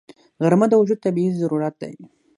غرمه د وجود طبیعي ضرورت دی